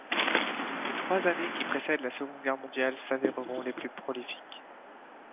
Les trois années qui précédent la seconde Guerre mondiale s'avéreront les plus prolifiques.